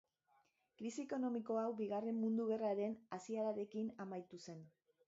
Krisi ekonomiko hau Bigarren Mundu Gerraren hasierarekin amaitu zen.